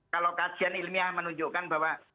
kalau kajian ilmiah menunjukkan bahwa